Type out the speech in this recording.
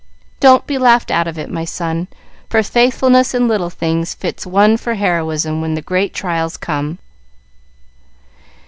Don't be laughed out of it, my son, for faithfulness in little things fits one for heroism when the great trials come.